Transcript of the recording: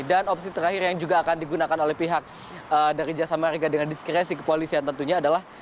dan opsi terakhir yang juga akan digunakan oleh pihak dari jasa mariga dengan diskresi kepolisian tentunya adalah